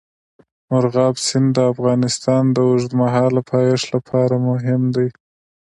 مورغاب سیند د افغانستان د اوږدمهاله پایښت لپاره مهم دی.